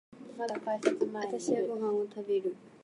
私はご飯を食べる。